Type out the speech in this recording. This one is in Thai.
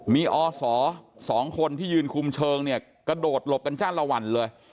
มีอศ๒คนที่ยืนคุมเชิงเนี่ยกระโดดหลบกันจ้านละวันเลย